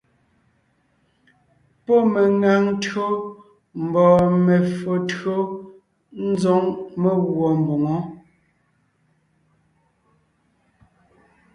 Pɔ́ meŋaŋ tÿǒ mbɔɔ me[o tÿǒ ńzoŋ meguɔ mboŋó.